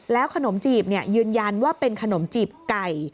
ขนมจีบยืนยันว่าเป็นขนมจีบไก่